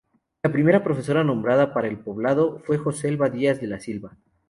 La primera profesora nombrada para el poblado, fue Josefa Dias de la Silva.